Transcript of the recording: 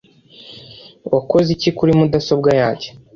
Wakoze iki kuri mudasobwa yanjye?